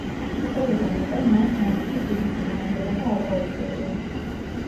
სწორედ ამიტომ მას მათთვის დიდი წინააღმდეგობა არ გაუწევია.